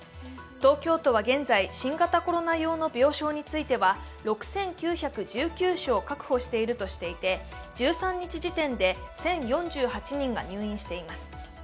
東京都は現在、新型コロナ用の病床については６９１９床確保しているとしていて、１３日時点で１０４８人が入院しています。